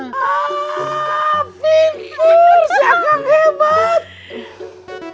aaaaah fiturs ya kang hebat